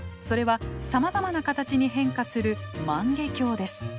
それはさまざまな形に変化する万華鏡です。